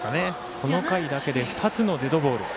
この回だけで２つのデッドボール。